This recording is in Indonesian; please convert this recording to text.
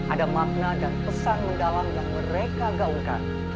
ada makna dan pesan mendalam yang mereka gaungkan